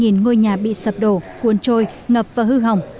một trăm một mươi hai ngôi nhà bị sập đổ cuốn trôi ngập và hư hỏng